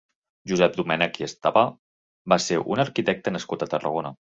Josep Domènech i Estapà va ser un arquitecte nascut a Tarragona.